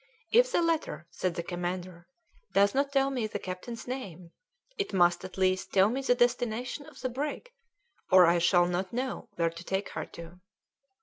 "If the letter," said the commander, "does not tell me the captain's name, it must at least tell me the destination of the brig, or I shall not know where to take her to."